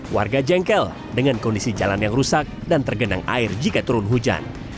warga jengkel dengan kondisi jalan yang rusak dan tergenang air jika turun hujan